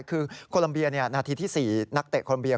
คือโคลัมเบียนาทีที่๔นักเตะคอนเบีย